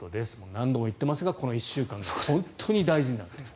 何度も言ってますがこの１週間本当に大事ですね。